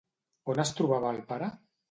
On es trobava el pare?